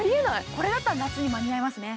これだったら夏に間に合いますね。